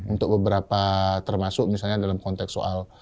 untuk beberapa termasuk misalnya dalam konteks soal